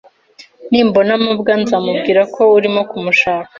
Nimbona mabwa, nzamubwira ko urimo kumushaka.